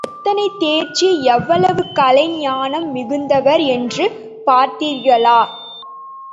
எத்தனை தேர்ச்சி எவ்வளவு கலை ஞானம் மிகுந்தவர் என்று பார்த்தீர்களா?